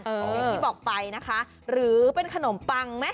อย่างที่บอกไปนะคะหรือเป็นขนมปังไหม